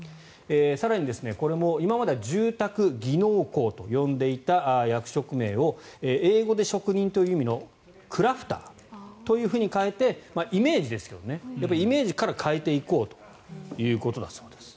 更に、これも今までは住宅技能工と呼んでいた役職名を英語で職人という意味のクラフターというふうに変えてイメージですけどイメージから変えていこうということだそうです。